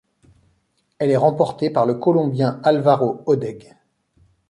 Elle est remportée par le Colombien Álvaro Hodeg.